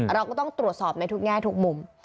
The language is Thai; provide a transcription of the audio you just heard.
เราก็ต้องตรวจสอบในทุกแง่ทุกมุม